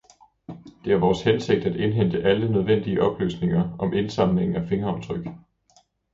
Det er vores hensigt at indhente alle nødvendige oplysninger om indsamlingen af fingeraftryk.